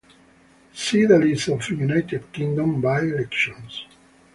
See the list of United Kingdom by-elections.